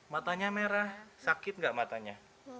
matanya merah sakit nggak matanya